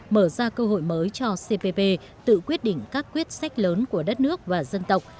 mở ra cơ hội mới cho cpp tự quyết định các quyết sách lớn của đất nước và dân tộc